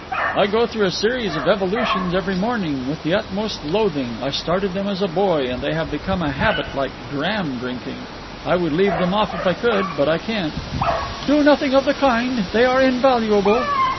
"I go through a series of evolutions every morning, with the utmost loathing. I started them as a boy, and they have become a habit like dram drinking. I would leave them off if I could, but I can't." "Do nothing of the kind. They are invaluable."